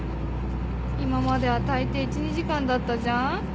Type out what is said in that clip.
今まではたいてい１２時間だったじゃん。